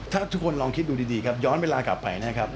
ถ้าทุกคนลองคิดดูดีครับย้อนเวลากลับไปนะครับ